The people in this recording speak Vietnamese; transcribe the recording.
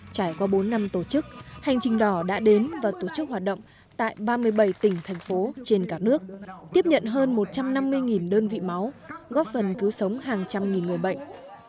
trải qua bốn năm tổ chức hành trình đỏ đã đến và tổ chức hoạt động tại ba mươi bảy tỉnh thành phố trên cả nước tiếp nhận hơn một trăm năm mươi đơn vị máu góp phần cứu sống hàng trăm nghìn người bệnh